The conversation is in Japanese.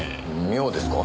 妙ですか？